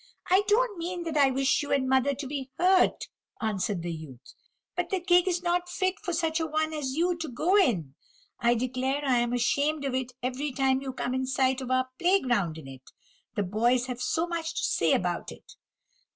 "I don't mean that I wish you and mother to be hurt," answered the youth; "but the gig is not fit for such a one as you to go in. I declare I am ashamed of it every time you come in sight of our playground in it; the boys have so much to say about it."